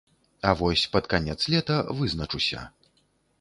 А вось пад канец лета вызначуся.